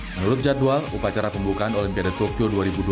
menurut jadwal upacara pembukaan olimpiade tokyo dua ribu dua puluh